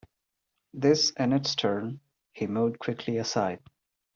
This in its turn he moved quickly aside.